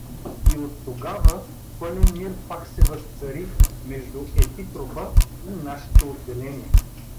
И оттогава пълен мир пак се възцари между епитропа и нашето отделение.